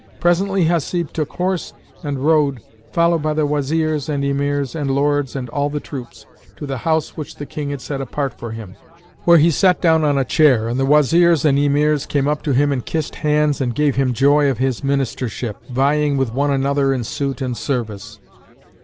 Presently Hasib took horse and rode, followed by the Wazirs and Emirs and lords and all the troops, to the house which the King had set apart for him, where he sat down on a chair; and the Wazirs and Emirs came up to him and kissed hands and gave him joy of his Ministership, vying with one another in suit and service.